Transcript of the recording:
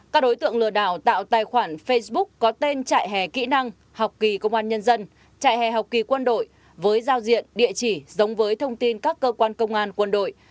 các đối tượng lừa đảo tạo tài khoản facebook có tên trại hè kỹ năng học kỳ công an nhân dân trại hè học kỳ quân đội với giao diện địa chỉ giống với thông tin các cơ quan công an quân đội